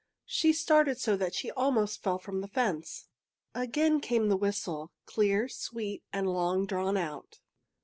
She started so that she almost fell from the fence. Again came the whistle, clear, sweet, and long drawn out.